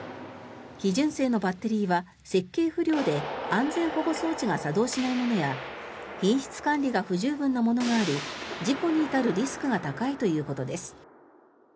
非純正のバッテリーは設計不良で安全保護装置が作動しないものや品質管理が不十分なものもあり事故に至るリスクが高いということです。